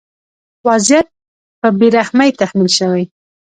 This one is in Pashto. وضعیت په بې رحمۍ تحمیل شوی.